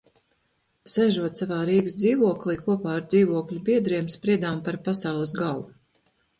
Sēžot savā Rīgas dzīvoklī, kopā ar dzīvokļa biedriem spriedām par pasaules galu.